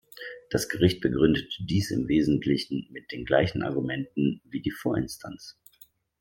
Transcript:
Das Gericht begründete dies im Wesentlichen mit den gleichen Argumenten wie die Vorinstanz.